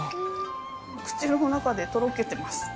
口の中でとろけてます。